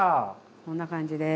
こんな感じです。